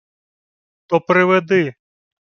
— То приведи.